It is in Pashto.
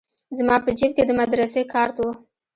زما په جيب کښې د مدرسې کارت و.